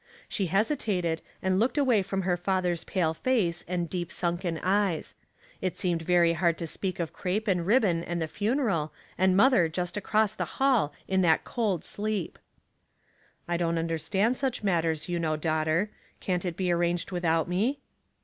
She hesitated, and looked away from her father's pale face and deep sunken eyes. It seemed very hard to speak of crape and ribbon and the funeral, and mother jusfc across the hall in that cold sleep. " I don't understand such matters, you know, daughter. Can't it be arranged without me